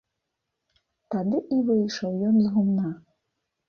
Тады і выйшаў ён з гумна.